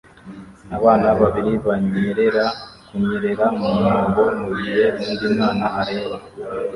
Abana babiri banyerera kunyerera mu mwobo mu gihe undi mwana areba